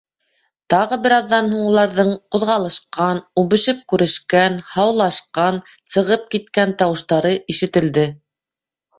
Тағы бер аҙҙан һуң уларҙың ҡуҙғалышҡан, үбешеп күрешкән, һаулашҡан, сығып киткән тауыштары ишетелде.